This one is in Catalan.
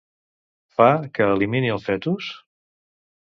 Fa que elimini el fetus?